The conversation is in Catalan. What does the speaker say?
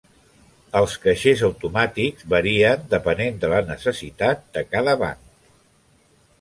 Els caixers automàtics varien depenent de la necessitat de cada banc.